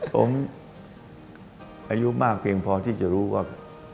ผมอายุมากเพียงพอที่จะรู้ว่า